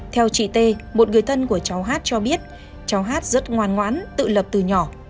theo chị t một người thân của cháu hát cho biết cháu hát rất ngoan ngoãn tự lập từ nhỏ